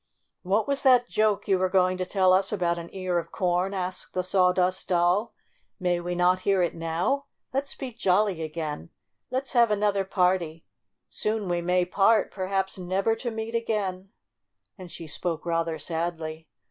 "What was that joke you were going to tell us about an ear of corn?" asked the THE LITTLE GIRL 35 Sawdust Doll. ' 6 May we not hear it now ? Let's be jolly again! Let's have another party ! Soon we may part, perhaps never to meet again," and she spoke rather sadly.